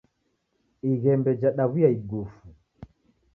Ighembe jadaw'uya igufu.